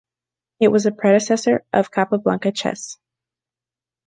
It was a predecessor of Capablanca chess.